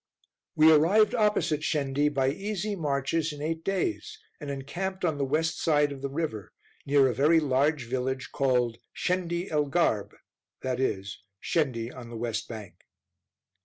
We arrived opposite Shendi, by easy marches, in eight days, and encamped on the west side of the river, near a very large village called "Shendi el Garb," i.e. Shendi on the west bank.